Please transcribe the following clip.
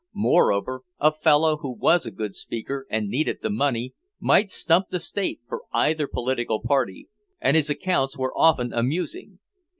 Moreover, a fellow who was a good speaker, and needed the money, might stump the state for either political party, and his accounts were often amusing.